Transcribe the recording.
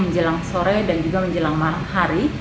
menjelang sore dan juga menjelang hari